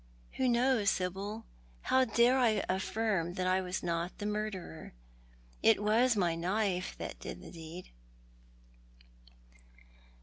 Who knows, Sibyl ? How dare I afSrm that I was not the murderer ? It was my knife that did the deed."